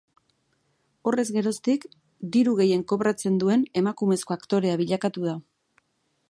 Horrez geroztik, diru gehien kobratzen duen emakumezko aktorea bilakatu da.